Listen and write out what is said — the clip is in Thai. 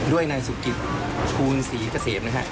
ด้วยนายสุกิตภูลศรีเกษมนะฮะ